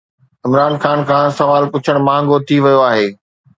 عمران خان کان سوال پڇڻ مهانگو ٿي ويو آهي